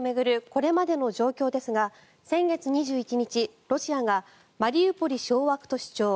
これまでの状況ですが先月２１日、ロシアがマリウポリ掌握と主張。